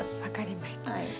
分かりました。